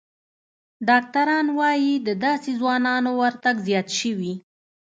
ډاکتران وايي، د داسې ځوانانو ورتګ زیات شوی